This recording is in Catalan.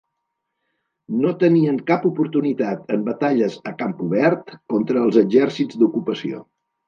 No tenien cap oportunitat en batalles a camp obert contra els exèrcits d'ocupació.